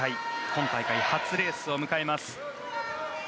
今大会初レースを迎えます。